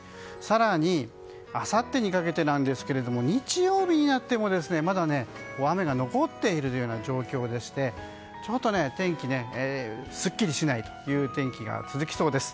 更にあさってにかけて日曜日になってもまだ雨が残っているというような状況でしてちょっと天気、すっきりしないという天気が続きそうです。